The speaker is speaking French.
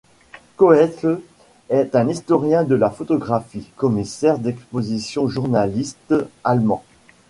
Koetzle est un historien de la photographie, commissaire d'expositions, journaliste allemand.